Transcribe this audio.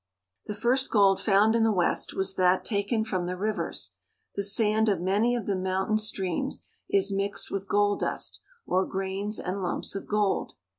240 THE ROCKY MOUNTAIN REGION. The first gold found in the West was that taken fron\ the rivers. The sand of many of the mountain streams is mixed with gold dust, or grains and lumps of gold.